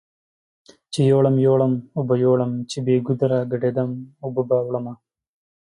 چې يوړم يوړم اوبو يوړم چې بې ګودره ګډ يدم اوبو به وړمه